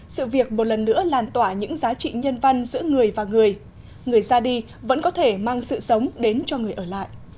sự việc một lần nữa làn tỏa những giá trị nhân văn giữa người và người người ra đi vẫn có thể mang sự sống đến cho người ở lại